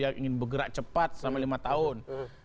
yang ingin bergerak cepat selama lima tahun